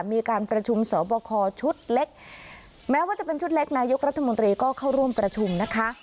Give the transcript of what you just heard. มีการประชุมสอบคอชุดเล็กแม้ว่าจะเป็นชุดเล็กนายกรัฐมนตรีก็เข้าร่วมประชุมนะคะ